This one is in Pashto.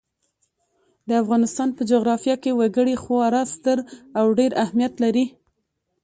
د افغانستان په جغرافیه کې وګړي خورا ستر او ډېر اهمیت لري.